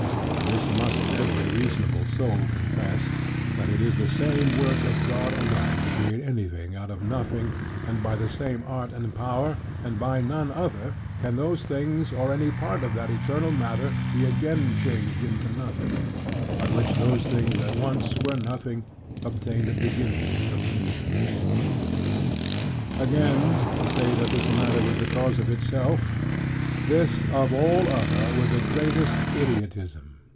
And this must every reasonable soul confess, that it is the same work of God alone, to create anything out of nothing, and by the same art and power, and by none other, can those things, or any part of that eternal matter, be again changed into nothing; by which those things, that once were nothing, obtained a beginning of being. Again, to say that this matter was the cause of itself; this, of all other, were the greatest idiotism.